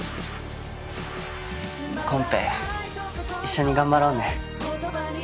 コンペ一緒に頑張ろうね。